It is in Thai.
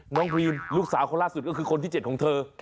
พรีนลูกสาวคนล่าสุดก็คือคนที่๗ของเธอ